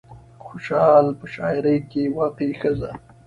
د خوشال په شاعرۍ کې واقعي ښځه